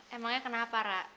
emangnya kenapa ra